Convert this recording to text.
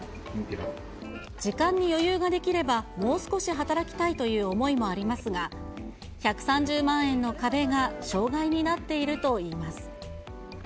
時間に余裕ができればもう少し働きたいという思いもありますが、１３０万円の壁が障害になっているといいます。